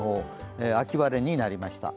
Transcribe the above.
秋晴れになりました。